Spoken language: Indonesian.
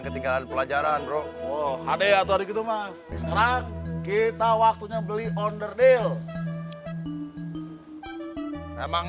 ketinggalan pelajaran bro hadir atau dikutuk sekarang kita waktunya beli onderdil memang